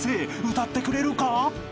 歌ってくれるか？］